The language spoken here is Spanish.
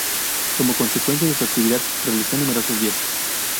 Como consecuencia de su actividad, realizó numerosos viajes.